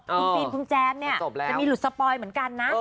คุณฟิล์มคุณแจมเนี่ยจะมีหลุดสปอยเหมือนกันนะ